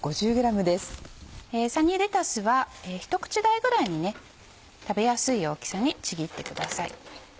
サニーレタスは一口大ぐらいに食べやすい大きさにちぎってください。